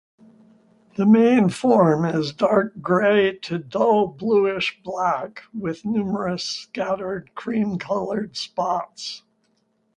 The main form is dark grey to dull blueish-black with numerous, scattered, cream-colored spots.